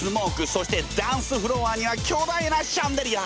そしてダンスフロアには巨大なシャンデリア！